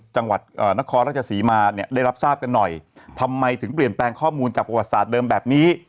จังหวัดนครราชศรีมาเนี่ยได้รับทราบกันหน่อยทำไมถึงเปลี่ยนแปลงข้อมูลจากประวัติศาสตร์เดิมแบบนี้